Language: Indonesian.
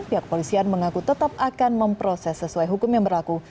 pihak polisian mengaku tetap akan memproses sesuai hukum yang berlaku